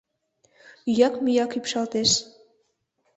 Ӱяк-мӱяк ӱпшалтеш.